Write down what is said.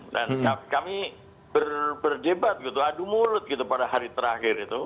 dan kami berdebat gitu adu mulut gitu pada hari itu